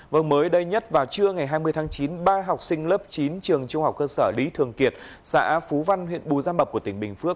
và mới đây nhất vào trưa ngày hai mươi tháng chín ba học sinh lớp chín trường trung học cơ sở lý thường kiệt xã phú văn huyện bù gia mập của tỉnh bình phước